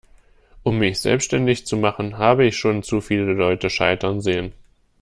Um mich selbstständig zu machen, habe ich schon zu viele Leute scheitern sehen.